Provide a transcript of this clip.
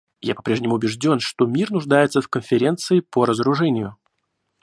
Я по-прежнему убежден, что мир нуждается в Конференции по разоружению.